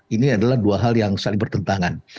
ini adalah dua hal yang saling bertentangan